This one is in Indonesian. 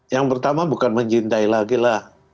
yang pertama bukan mencintai lagi lah